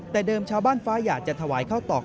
แต่เดิมชาวบ้านฟ้าอยากจะถวายข้าวตอก